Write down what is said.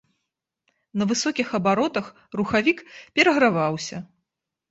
На высокіх абаротах рухавік пераграваўся.